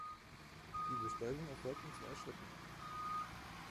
Die Bestäubung erfolgt in zwei Schritten.